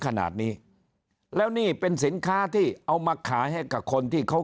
ขนาดนี้แล้วนี่เป็นสินค้าที่เอามาขายให้กับคนที่เขา